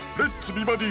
美バディ」